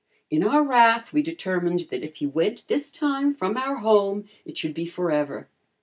In our wrath, we determined that if he went this time from our home, it should be forever.